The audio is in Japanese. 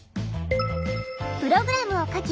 プログラムを書き